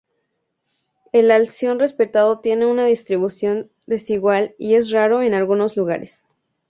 El alción respetado tiene una distribución desigual y es raro en algunos lugares.